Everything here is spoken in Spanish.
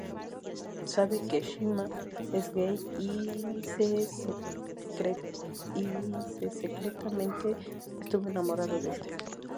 Sabe que Shima es gay y se secretamente estuvo enamorado de este.